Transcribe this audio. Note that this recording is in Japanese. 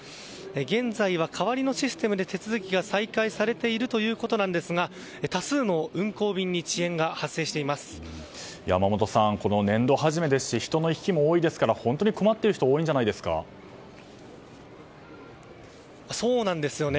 現在は代わりのシステムで手続きが再開されているということですが多数の運航便に山本さん、年度初めですし人の行き来も多いですから本当に困っている方がそうなんですよね。